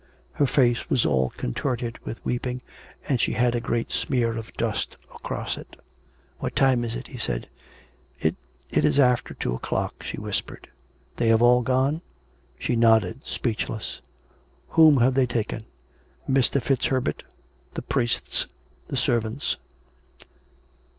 Her face was all contorted with weeping, and she had a great smear of dust across it. " What time is it }" he said. " It ... it is after two o'clock,'' she whispered. " They have all gone ?" She nodded, speechless. " Whom have they taken ?"" Mr. FitzHerbert ... the priests ... the servants."